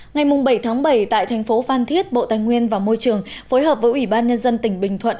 ngày bảy bảy tại thành phố phan thiết bộ tài nguyên và môi trường phối hợp với ủy ban nhân dân tỉnh bình thuận